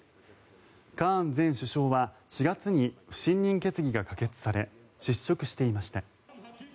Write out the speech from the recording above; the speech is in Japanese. カーン前首相は４月に不信任決議が可決され失職していました。